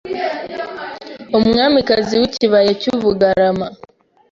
Umwamikazi wikibaya cyabugarama